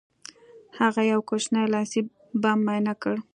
هغه یو کوچنی لاسي بم معاینه کړ